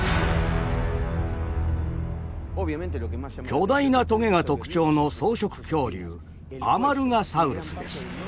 巨大なトゲが特徴の草食恐竜アマルガサウルスです。